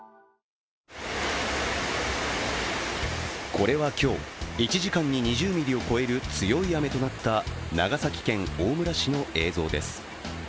これは今日、１時間に２０ミリを超える強い雨となった長崎県大村市の映像です。